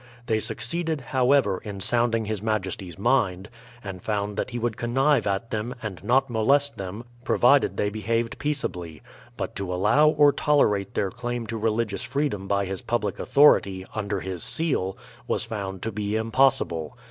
They succeeded, however, in sounding his majesty's mind, and found that he would con nive at them, and not molest them, provided they behaved peaceably. But to allow or tolerate their claim to religious 26 BRADFORD'S HISTORY OF freedom by his public authority, tinder his seal, was found to be impossible.